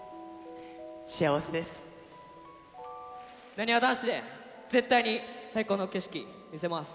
なにわ男子で絶対に最高の景色見せます。